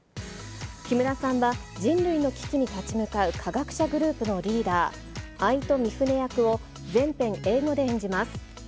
木村さんは、人類の危機に立ち向かう科学者グループのリーダー、アイト・ミフネ役を、全編英語で演じます。